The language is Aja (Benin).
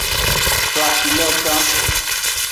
Flafilo gan.